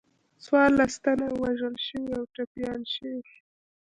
څوارلس تنه یې وژل شوي او ټپیان شوي.